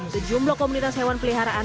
sejumlah komunitas hewan peliharaan